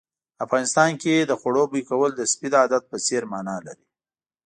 افغانستان کې د خوړو بوي کول د سپي د عادت په څېر مانا لري.